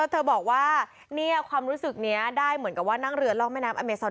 เธอบอกว่าความรู้สึกนี้ได้เหมือนกับว่านั่งเรือร่องแม่น้ำอเมซอน